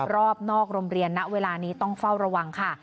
รอบนอกโรงเรียนณเวลานี้ต้องเฝ้าระวังค่ะ